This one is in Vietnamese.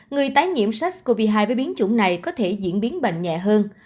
người tái nhiễm sars cov hai với biến chủng này có thể diễn biến bệnh nhẹ hơn